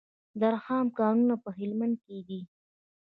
د رخام کانونه په هلمند کې دي